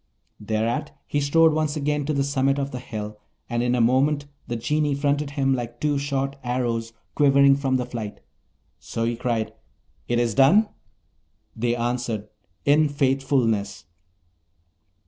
Thereat, he strode once again to the summit of the hill, and in a moment the Genii fronted him like two shot arrows quivering from the flight. So he cried, 'It is done?' They answered, 'In faithfulness.'